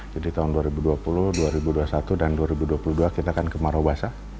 jadi tahun dua ribu dua puluh dua ribu dua puluh satu dan dua ribu dua puluh dua kita kan kemarau basah